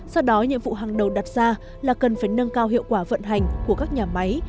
sau đó nhiệm vụ hàng đầu đặt ra là cần phải nâng cao hiệu quả vận hành của các nhà máy